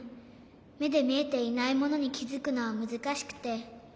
めでみえていないものにきづくのはむずかしくて。